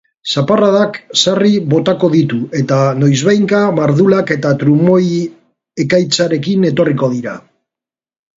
Zaparradak sarri botako ditu eta noizbehinka mardulak eta trumoi-ekaitzarekin etorriko dira.